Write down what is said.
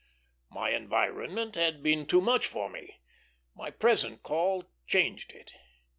My environment had been too much for me; my present call changed it.